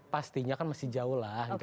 pastinya kan masih jauh lah gitu